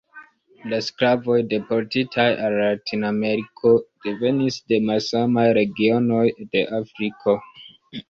La sklavoj deportitaj al Latinameriko devenis de malsamaj regionoj de Afriko.